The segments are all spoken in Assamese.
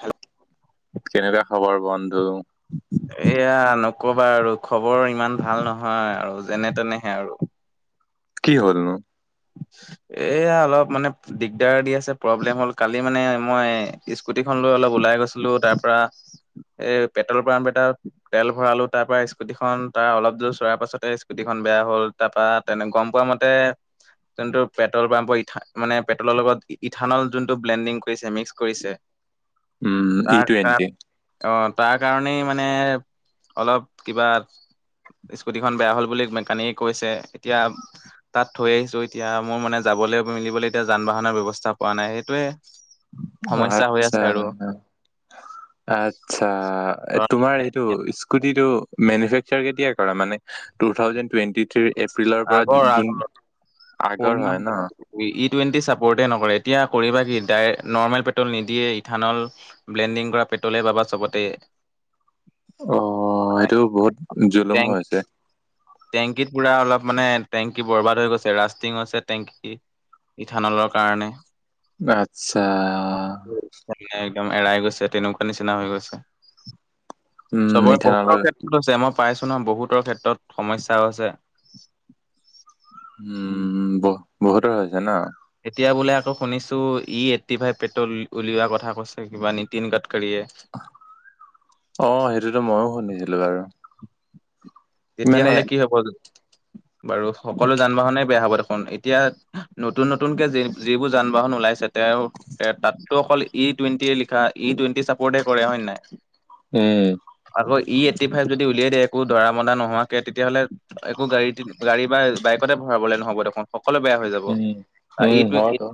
হেল্ল? কেনেকুৱা খবৰ বন্ধু? এয়া নকবা আৰু খবৰ ইমান ভাল নহয় আৰু যেনে তেনেহে আৰু। কি হ'লনো? এয়া অলপ মানে দিগদাৰ দি আছে প্ৰব্লেম হ'ল কালি মানে মই ইচ কুটিখন লৈ অলপ ওলাই গৈছিলো তাৰ পৰা এই পেট্ৰল পাম্প এটাত তেল ভৰালো তাৰ পৰা স্কুটিখন তাৰ অলপ দূৰ চোৱাৰ পাছতে স্কুটিখন বেয়া হ'ল তাৰ পৰা তেনে গম পোৱা মতে যোনটো পেট্ৰল পাম্পৰ ইথা মানে পেট্ৰলৰ লগত ইথানল যোনটো ব্লেণ্ডিং কৰিছে মিক্স কৰিছে উম ই [unintelligible] টুৱেণ্টি অ তাৰ কাৰণেই মানে অলপ কিবা স্কুটিখন বেয়া হ'ল বুলি মেকানিকে কৈছে এতিয়া তাত থৈ আহিছো এতিয়া মোৰ মানে যাবলৈ মিলিবলৈ এতিয়া যান - বাহনৰ ব্যৱস্থা পোৱা নাই সেইটোয়ে সমস্যা হৈ আছে আচ্ছা আৰু। আচ্ছা, তোমাৰ এইটো স্কুটিটো মেনফেকচাৰ কেতিয়া কৰা মানে? টু থাউজেণ্ড টুৱেণ্টি থ্ৰিৰ এপ্ৰিলৰ পৰা আগৰ জুন আগৰ হয় ন। ই ই টুৱেণ্টি ছাপৰ্টে নকৰে এতিয়া কৰিবা কি ডাইৰ নৰ্মেল পেট্ৰল নিদিয়ে ইথানল ব্লেণ্ডিং কৰা পেট্ৰলে পাবা চবতে। অ সেইটো বহুত জোলুম টেং হৈছে। টেংকিত পুৰা অলপ মানে টেংকি বৰবাদ হৈ গৈছে, ৰাষ্টিং হৈছে টেংকি ইথানলৰ কাৰণে। আচ্ছা। মানে একদম এৰাই গৈছে তেনেকুৱা নিচিনা হৈ গৈছে। উম চবৰে বহুতৰ ইথানলৰ ক্ষেত্ৰত হৈছে, মই পাইছো নহয় বহুতৰ ক্ষেত্ৰত সমস্যাও আছে। উম, বহ বহুতৰ হৈছে ন? এতিয়া বোলে আকৌ শুনিছো ই এইট্টি ফাইভ পেট্ৰল উলিওৱা কথা কৈছে কিবা নীতিন গাডকাৰীয়ে। অ সেইটোতো ময়ো শুনিছিলো বাৰু। মানে তেতিয়াহলে কি হ'ব? বাৰু সকলো যান - বাহনে বেয়া হ'ব দেখোন এতিয়া নতুন নতুনকে যি যিবোৰ যান বাহন ওলাইছে তেওঁ তে তাত ত অকল ই টুৱেণ্টিে লিখা ই টুৱেণ্টি চাপৰ্টে কৰে হয় নাই। উম আকৌ ই এইট্টি ফাইভ যদি উলিয়াই দিয়ে একো দৰা ধা নোহোৱাকে তেতিয়াহ'লে একো গাড়ী গাড়ী বা বাইকতে ভৰাবলে নহ'ব দেখোন। সকলো বেয়া হৈ যাব আৰু উম উম এইটো হয়তো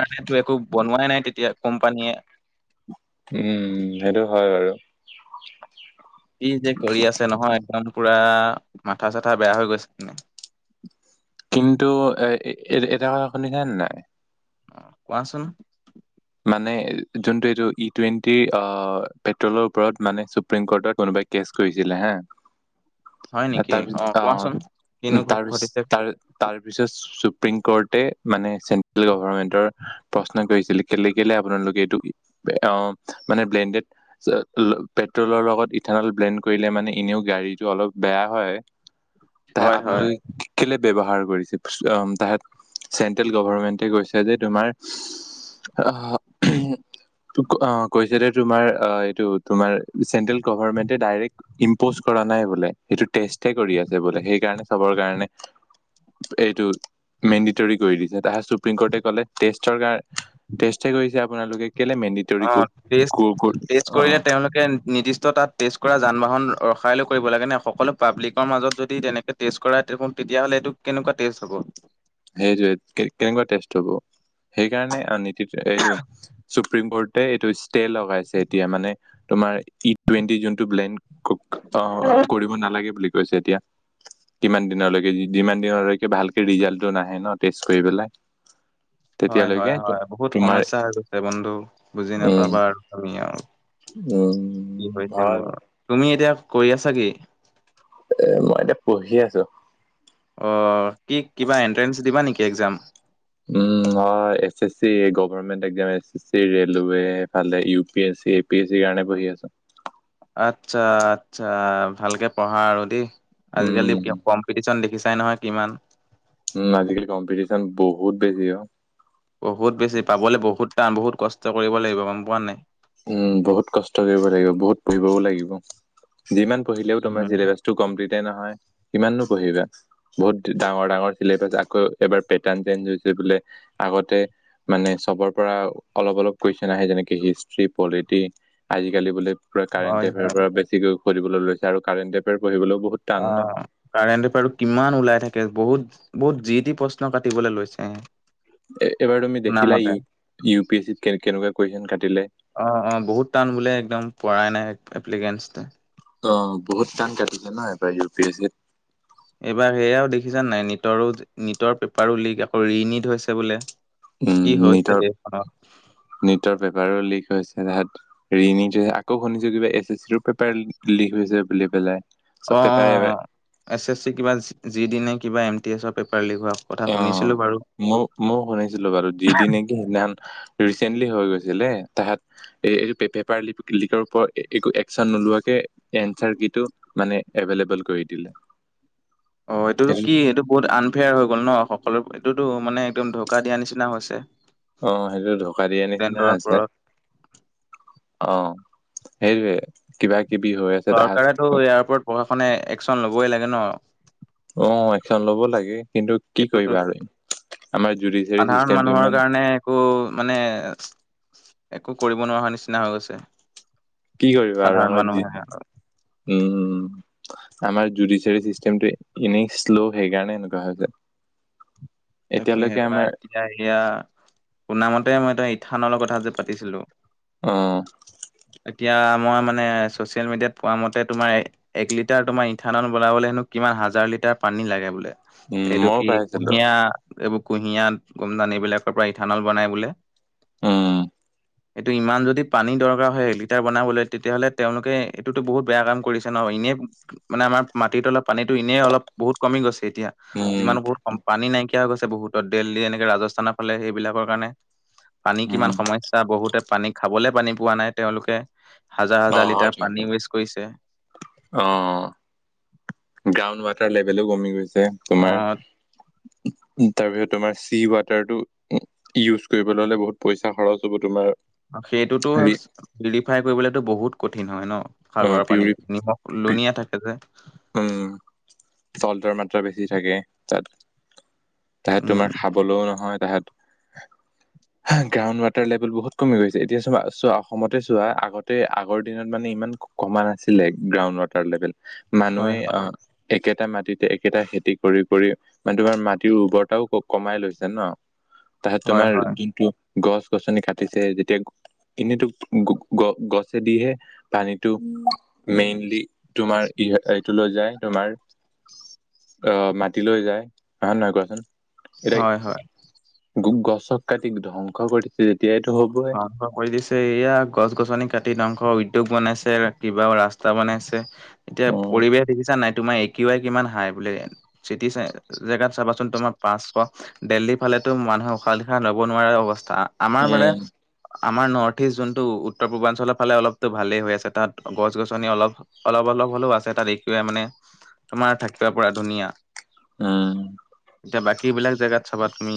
কাৰণেতো একো বনোৱাই নাই তেতিয়া কোম্পানীয়ে। উম সেইটো হয় বাৰু। কি যে কৰি আছে নহয় একদম পুৰা মাথা চাথা বেয়া হৈ গৈছে মানে। কিন্তু এ এ এটা কথা শুনিছেনে নাই? অ কোৱাচোন। মানে যোনটো এইটো ই টুৱেণ্টি অ পেট্ৰলৰ ওপৰত মানে সুপ্ৰিম কৰ্ট কোনোবাই কেছ কৰিছিলে হা [unintelligible] নেকি তাৰপিছ অ কোৱাচোন কিনো অ ঘ- তাৰপিছ ঘটিছে তাৰ তাৰ পিছত সুপ্ৰিম কোৰ্টে মানে চেন্ট্ৰেল গভৰ্মেন্টৰ প্ৰশ্ন কৰিছিল। কেলে কেলে আপোনালোকে এইটো অ মানে বেণ্ডেড পেট্ৰলৰ লগত ইথানল ব্লেণ্ড কৰিলে মানে এনেও গাড়ীতটো অলপ বেয়া হয়। [unintelligible] তাহে হয় হয় আপোনালোকে কেলে ব্যৱহাৰ কৰিছে তাহেত চেন্ট্ৰেল গভমেন্টে কৈছে যে তোমাৰ অ [unintelligible] কৈছে তোমাৰ এইটো তোমাৰ চেন্ট্ৰেল গৰ্ভমেন্টে ইম্পজ কৰা নাই বোলে সেইটো টেষ্ট কৰি আছে বোলে। সেইকাৰণে চবৰ কাৰণে এইটো মেণ্ডিটৰী কৰি দিছে। তাহে সুপ্ৰিম কোৰ্টে ক'লে টেষ্টৰ কাৰণে টেষ্টহে কৰিছে আপোনালোকে কেলে মেন্দি অ' টেষ্ট টেষ্ট কৰিলে তেওঁলোকে নিৰ্দিষ্ট তাত টেষ্ট কৰা যান বাহন ৰখাই লৈ কৰিব লাগে নে, সকলো পাব্লিকৰ মাজত যদি তেনেকৈ টেষ্ট কৰা তেতিয়াহ'লে এইটো কেনেকুৱা টেষ্ট হ'ব। সেইটোৱে কেনেকুৱা টেষ্ট হ'ব, সেইকাৰণে নীতি এইটো চুপ্ৰিম কৰ্ট টো এইটো ষ্টে লগাইছে, এতিয়া মানে তোমাৰ ই টুৱেণ্টি যোনটো ব্লেন অ গ [unintelligible] কৰি নালাগে বুলি কৈছে এতিয়া, কিমান দিনলৈকে, যিমান দিনলৈকে ভালকে ৰিজাল্ট টো নাহে ন টেষ্ট কৰি পেলাই। হয় হয় তেতিয়ালৈকে হয় তো- বহুত তোমাৰ সমস্যা হৈ গৈছে বন্ধু বুজি উম, নাপাবা আৰু তুমি আৰু। কি উম হৈছে হয় মোৰ বাৰু তুমি এতিয়া কৰি আছা কি? এ মই এতিয়া পঢ়ি আছো। অঁ কি কিবা এণ্ট্ৰেঞ্চ দিবা নেকি এক্সাম? উম হয় S S C government exam, S S C ৰেলৱেফালে, U P S C P S চিৰ কাৰণে পঢ়ি আছোঁ। আচ্ছা আচ্ছা ভালকে পঢ়া আৰু দেই। আজিকালি উম, কিয় কম পিটিচ্যন দেখিছাই নহয় কিমান? উম আজিকালি কম্পিটিচন বহুত বেছি। অ' বহুত বেছি, পাবলৈ বহুত টান, বহুত কষ্ট কৰিব লাগিব গ'ম পোৱা নাই। উম বহুত কষ্ট কৰিব লাগিব, বহুত পঢ়িবও লাগিব, যিমান পঢ়িলেও তোমাৰ উম চিলেবাছ টো কমপ্লিটে নহয়, কিমাননো পঢ়িবা? বহুত ডাঙৰ ডাঙৰ চিলেবাছ, আকৌ এবাৰ পেটাৰ্ণ চেঞ্জ হৈছে বোলে। আগতে মানে চবৰ পৰা অলপ অলপ কুৱেশ্যন আহে যেনেকে হিষ্ট ষ্ট্ৰী পলিটি, আজিকালি বোলে পুৰা কাৰেণ্ট হয় এফেয়াৰ হয় পৰা বেছ চিকৈ পঢ়িবলৈ লৈছে, আৰু কাৰেণ্ট এফেয়াৰ পঢ়িবলৈও বহুত টান ন অ'। কাৰেণ্ট এফেয়াৰটো কিমান ওলাই থাকে, বহুত বহুত যি-টি প্ৰশ্ন কাটিবলৈ লৈছে। এ-এইবাৰ তুমি দেখিলা শুনামতে ইউ-ইউ পি এছ চিত কে-কেনেকুৱা কুৱেশ্যন কাটিলে? অ', অ', বহুত টান বোলে একদম পৰাই নাই এপ্লিকেঞ্চতে। অ', বহুত টান কাটিছে ন, এইবাৰ ইউ পি এছ চিত? এইবাৰ সেয়া দেখিছা নাই নিটৰো-নিটৰ পেপাৰো লিক আকৌ ৰি নিট হৈছে বোলে। উম, কি হৈছে দেশখনত নিটৰ-নিটৰ পেপাৰো লিক হৈছে তাহাদ ৰিনিট, আকৌ শুনিছোঁ কিবা এছ এছ চিৰো পেপাৰ লিক হৈছে বুলি পেলাই। অ', চব পেপাৰ এবাৰ অ', এছ এছ চি কিবা যিদি নে কিবা এম টি এছৰ পেপাৰ লিক হোৱা কথা শুনিছিলো অ'। বাৰু মইও-মইও শুনিছিলোঁ বাৰু দি-দি নে কি, সেইদিনা ৰিচেণ্টলি হৈ গৈছিলে‌ তাহাঁত এ-এইটো পেপাৰ ল-লিকৰ ওপৰত এ-একো একচন নোলোৱাকে এনচাৰ কিটো মানে এভেইলেবল কৰি দিলে। অ', এইটোতো সেইটো কি এইটো বহুত আনফেয়াৰ হৈ গ'ল ন সকলো এইটোতো মানে একদম ঢোকা দিয়া নিচিনা হৈছে। অ', সেইটো ঢোকা দিয়া নিচিনা ষ্টুডেন্টৰ হৈছে। ওপৰত অ', সেইটোৱে কিবা কিবি হৈ আছে। তাহাঁত লও ইয়াৰ ওপৰত প্ৰশাসনে একচন ল'বই লাগে ন। অ', একচন ল'ব লাগে কিন্তু কি এইটোতো কৰিবা আৰু, আমাৰ জুডিচিয়াৰী ছিষ্টেমটো ইমান কো মানে একো কৰিব নোৱাৰা নিচিনা হৈ গৈছে। কি কৰিবা আৰু সাধাৰণ আমাৰ জুদ, মানুহে উম, আমাৰ জুডিচিয়াৰী চিষ্টেমটো এনেই শ্ল', সেইকাৰণে এনেকুৱা হৈছে। উ তাকে হে এতিয়ালৈকে পাই আমাৰ এতিয়া সেয়া শুনামতে মই এটা ইথানলৰ কথা যে পাতিছিলোঁ। অ এতিয়া মই মানে চচিয়েল মিডিয়াত পোৱা মতে তোমাৰ। এক লিটাৰ তোমাৰ ইথানাল বনাবলে হেনো কিমান হাজাৰ লিটাৰ পানী লাগে বোলে। উম এইটো মইও কি পাইছিলো কুঁহিয়া এইবোৰ কুঁহিয়াত গোমধান এইবিলাকৰ পৰা ইথানল বনাই বোলে। উম এইটো ইমান যদি পানী দৰকাৰ হয় এক লিটাৰ বনাবলৈ। তেতিয়াহ'লে তেওঁলোকে এইটোতো বহুত বেয়া কাম কৰিছে ন এনে মানে আমাৰ মাটিত অলপ পানীতো এনেই অলপ বহুত কমি গৈছে এতিয়া উম যিমানো বহুত কম পানী নাইকিয়া হৈ গৈছে বহুত ত দিল্লী এনেকে ৰাজস্থানৰ ফালে সেইবিলাকৰ কাৰণে পানী উম কিমান সমস্যা ত বহুতে পানী খাবলে পানী পোৱা নাই তেওঁলোকে হাজাৰ অ হাজাৰ লিটাৰ পানী হয়তো ৱেষ্ট কৰিছে। অ', গ্ৰাউণ্ড ৱাটাৰ লেভেলো কমি গৈছে। অ তোমাৰ তাৰপিছত তোমাৰ চি ৱাটাৰটো ইউজ কৰিবলৈ হ'লে বহুত পইচা খৰচ হ'ব তোমাৰ। সেইটোতো হেৰি পিউৰিফাই কৰিবলেটো বহুত কঠিন হয় ন? অ সাগৰৰ পিউৰি পানীত নিমখ লুনিয়া থাকে যে। উম, চল্টৰ মাত্ৰা বেছি থাকে তাত, তাহত উম তোমাৰ সা বলেও নহয় তাহাঁত হা গ্ৰাউণ্ড ৱাটাৰ লেভেল বহুত কমি গৈছে এতিয়া চবা চোৱা অসমতে চোৱা আগতে আগৰ দিনত মানে ইমান কমা নাছিলে গ্ৰাউণ্ড ৱাটাৰ লেভেল হয় মানুহে হয় অ একেটা মাটিতে একেটা খেতি কৰি কৰি মানে তোমাৰ মাটিৰ উৰ্বৰৰতাও কমাই লৈছে ন তাহত হয় তোমাৰ হয় যোনটো গছ গছনি কাটিছে যেতিয়া এনেটো গো-গ-গছেদিহে পানীতটো মেইনলি তোমাৰ ই এইটো লৈ যায় তোমাৰ অ মাটি লৈ যায় হয় নহয় কোৱাচোন। হয় হয় এতিয়া গছক কাটি ধ্বংস কৰিছে তেতিয়া এইটো হবই। ধ্বংস কৰি দিছে এয়া গছ গছনি কাটি ধংস উদ্যোগ বনাইছে কিবা ৰাস্তা বনাইছে। এতিয়া উম পৰিৱেশ দেখিছা নাই তোমাৰ একৱ কিমান হাই বোলে। চিটি চ জেগাত চাবাচোন তোমাৰ পাঁচশ দেল্লী ফালেতো মানুহে উশাহ নিশা লব নোৱাৰা অৱস্থা আমাৰ বাৰে উম আমাৰ নৰ্থ ইষ্ট যোনটো উত্তৰ পূৰ্বাঞ্চলৰ ফালে অলপতো ভালেই হৈ আছে তাত গছ গছনি অলপ অলপ অলপ হ'লেও আছে তাত এ কিউ আই মানে তোমাৰ থাকিব পৰা ধুনীয়া। উম। এতিয়া বাকী বিলাক জেগাত চাবা তুমি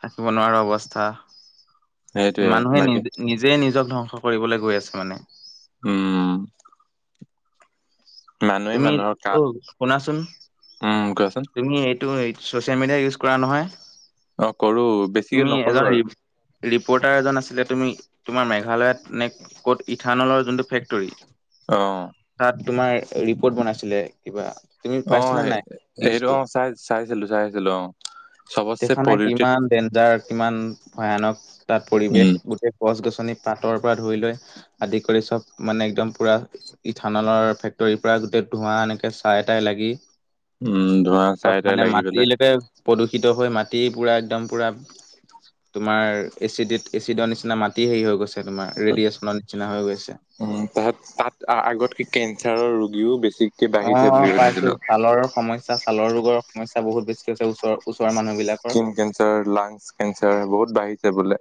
থাকিব নোৱাৰা অৱস্থা। সেইটোৱে মানুহে বাকী নিজ নিজে নিজক ধ্বংস কৰিবলৈ গৈ আছে মানে। উম, মানুহে তুমি মানুহৰ কা অ শুনাচোন উম, কোৱাচোন তুমি এইটো চচিয়েল মিডিয়া ইউজ কৰা নহয় অ', কৰো বেছিকে তুমি নকৰো এজন আৰু ৰিপৰ্টাৰ এজন আছিলে তুমি তোমাৰ মেঘালয়ত নে ক'ত ইথানলৰ যোনটো ফেক্টৰী অ'। তাত তোমাৰ ৰিপ'ৰ্ট বনাইছিলে কিবা তুমি অ' স পাইছিলা নাই সেইটো নিউজটো অ' চাই চাইছিলো চাই আছিলো অ'। চবটছে দেখা নাই পলিউটেড কিমান ডেঞ্জাৰ কিমান ভয়ানক তাত পৰিৱেশ উম, গোটেই গছ গছনি পাতৰ পৰা ধুই লৈ আদি কৰি চব মানে একদম পুৰা ইথানলৰ ফে তৰি পৰা গোটেই ধোৱা এনেকে চাইটাই লাগি উম, ধোঁৱা চাই চব তাই মানে লাগি পেলাই মাটিলৈকে প্ৰদূষিত হৈ মাটি পুৰা একদম পুৰা তোমাৰ এচিডেট এচিডৰ নিচিনা মাটি হেৰি হৈ গৈছে তোমাৰ ৰেডিয়েচনৰ নিচিনা হৈ গৈছে। উম তাত তাত আগত কি কেঞ্চাৰৰ ৰোগীও বেছি অ' পাইছো ছালৰ সমস্যা ছালৰ ৰোগৰ সমস্যা বহুত বেছি হৈছে ওচৰত। স্কিন কেঞ্চাৰ লাংচ কেঞ্চাৰ বহুত বাঢ়িছে বোলে।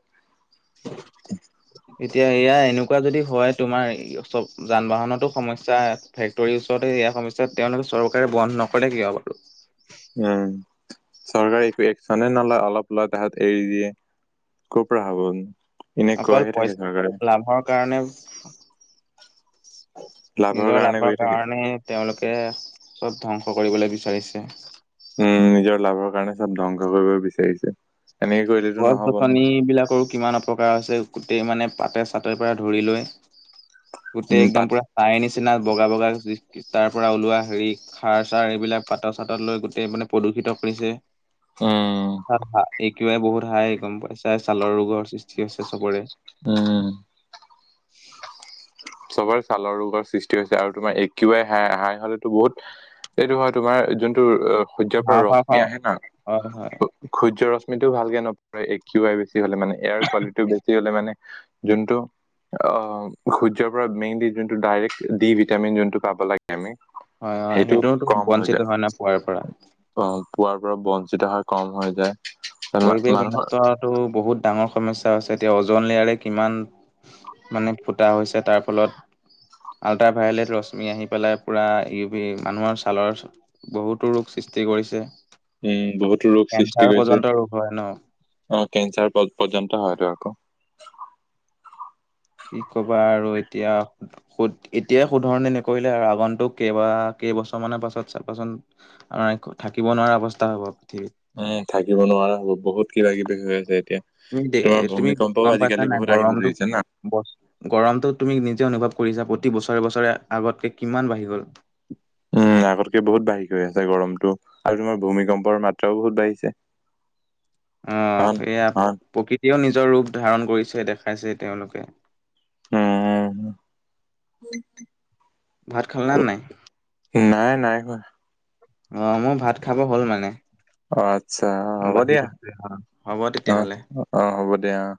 এতিয়া এয়া এনেকুৱা যদি হয় তোমাৰ চব যান বাহনতো সমস্যা। ফেক্টৰীৰ ওচৰতে ইয়া সমস্যাত তেওঁলোকে চৰকাৰে বন্ধ নকৰে কিয় বাৰু। উম, চৰকাৰে একো একচনে নলয় অলপ লয় তাহত এৰি দিয়ে। কপৰা হাবোন অকল পইচাৰ লাভৰ কাৰণে নিজৰ কাৰণে লাভৰ কৰি থাকে। কাৰণে তেওঁলোকে চব ধ্বংস কৰিবলৈ বিচাৰিছে। উম নিজৰ লাভৰ কাৰণে চব ধ্বংস কৰিব বিচাৰিছে। এনেকে কৰিলেতো গছ নহ'ব ন, গছনি বিলাকৰো কিমান প্ৰকাৰ হৈছে গোটেই মানে পাতে চাতেৰ পৰা ধৰি লৈ গোটেই উম, একদম পাত পুৰা তায় নিচিনা বগা বগা তাৰ পৰা ওলোৱা হেৰি খাৰ-চাৰ এইবিলাক পাতত-চাতত লৈ গোটেই মানে প্ৰদূষিত কৰিছে। উম। তা থা এ কিউ আই বহুত হাই গম পাইছাই ছালৰ ৰোগৰ সৃষ্টি হৈছে চবৰে উম। চবৰে ছালৰ ৰোগৰ সৃষ্টি হৈছে আৰু তোমাৰ এ কিউ আই হাহ হাই হ'লে বহুত এইটো হয় তোমাৰ যোনটো সূৰ্যৰ পৰা ৰশ্মি আহে না হয় হয় সূৰ্য ৰশ্মিটো ভালকে নপৰে এ কিউ আই বেছি হ'লে মানে। এয়াৰ কোৱালিটি বেছি হ'লে মানে যোনটো অহ সূৰ্যৰ পৰা মেইনলি যোনটো ডাইৰেক্ট ডি ভিটামিন যোনটো পাব লা গে আমি হয় হয় সেইটো সেইটোতো কম হৈ বঞ্চিত যায়। হয় ন পোৱাৰ পৰা। অ পোৱাৰ পৰা বঞ্চিত হয় কম হৈ যায়। পৰিৱেশ মানুহৰ বিনষ্ট হোৱাটো বহুত ডাঙৰ সমস্যা হৈছে। এতিয়া অজ'ন লেয়াৰে কিমান মানে ফুটা হৈছে তাৰ ফলত আল্ট্ৰাভায়লেট ৰশ্মি আহি পেলাই পুৰা ইউ ভি মানুহৰ ছালৰ বহুতো ৰোগ সৃষ্টি কৰিছে। উম বহুতো ৰোগ সৃষ্টি কেঞ্চাৰ কৰিছে পৰ্যন্ত ৰোগ হয় ন! অ কেঞ্চাৰ পয পৰ্যন্ত হয়টো আকৌ। কি কবা আৰু এতিয়া শুধ এতিয়াই শুধৰনি নকৰিলে আৰু আগন্তুক কেইবা কেইবছৰ মানৰ পাছত চাবাচোন আৰু থাকিব নোৱাৰা অৱস্থা হ'ব পৃথিৱীত। উম, থাকিব নোৱাৰা হ'ব। বহুত কিবা-কিবি হৈ আছে এতিয়া। তুমি দে তোমাৰ তুমি গম ভূমিকম্পও পাইছা আজিকালি নাই বহুত আহিব গৰমটো ধৰিছে না। বচ গৰমটো তুমি নিজে অনুভৱ কৰিছা প্ৰতি বছৰে-বছৰে আগতকে কিমান বাঢ়ি গ'ল। উম আগতকে বহুত বাঢ়ি গৈ আছে গৰমটো আৰু তোমাৰ ভূমিকম্পৰ মাত্ৰাও বহুত বাঢ়িছে। [inaudible] অহ, হন সেয়া হন প্ৰকৃতিয়েও নিজৰ ৰূপ ধাৰণ কৰিছে দেখাইছে তেওঁলোকে। উম উম। ভাত খালা নাই? নাই নাই খোৱা। অ আমাৰ ভাত খাব হ'ল মানে। অ আচ্ছা, হ'ব বাঢ়ি দিয়া, থৈছে অ' হ'ব অ তেতিয়াহ'লে। অ হ'ব দিয়া অ।